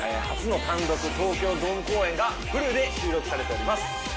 初の単独東京ドーム公演がフルで収録されております。